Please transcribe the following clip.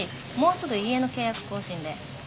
もうすぐ家の契約更新で。